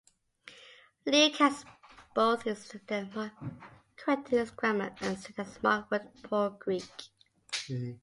Luke has both expanded Mark and corrected his grammar and syntax-Mark wrote poor Greek.